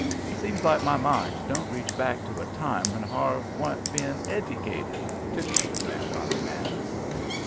"Seems like my mind don't reach back to a time when Harve wasn't bein' edycated," tittered the Grand Army man.